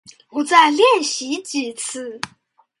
我再练习几次